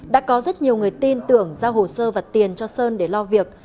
đã có rất nhiều người tin tưởng giao hồ sơ và tiền cho sơn để lo việc